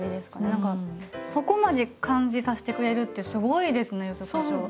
何かそこまで感じさせてくれるってすごいですね柚子こしょう。